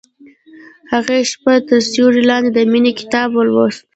هغې د شپه تر سیوري لاندې د مینې کتاب ولوست.